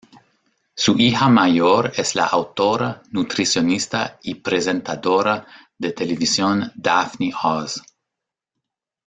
Su hija mayor es la autora, nutricionista y presentadora de televisión Daphne Oz.